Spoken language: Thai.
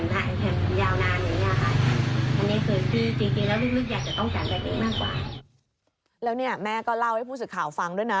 ในความอย่างดีจริงแล้วแม่ก็เล่าให้ผู้สื่อข่าวฟังด้วยนะ